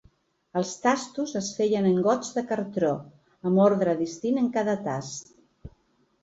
Els tastos es feien en gots de cartó, amb ordre distint en cada tast.